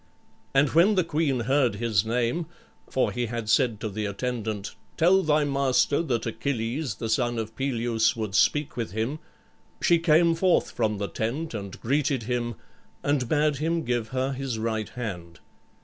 And when the queen heard his name for he had said to the attendant, "Tell thy master that Achilles, the son of Peleus, would speak with him" she came forth from the tent and greeted him and bade him give her his right hand.